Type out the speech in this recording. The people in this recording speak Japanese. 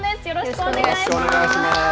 よろしくお願いします。